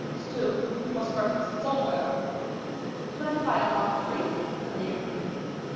"Still you must breakfast somewhere." "But if I am not hungry?" said the young man.